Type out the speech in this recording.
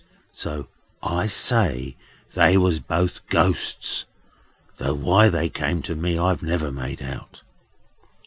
So I say they was both ghosts; though why they came to me, I've never made out."